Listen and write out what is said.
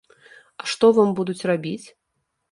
А што вам будуць рабіць?